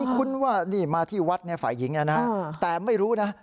คุ้นว่านี่มาที่วัดฝ่ายหญิงแต่ไม่รู้นะ